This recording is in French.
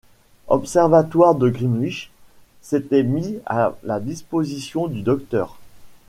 Observatoire de Greenwich s’était mis à la disposition du docteur.